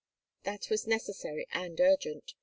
That was necessary and urgent.